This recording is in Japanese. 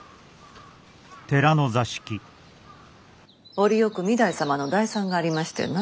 折よく御台様の代参がありましてな。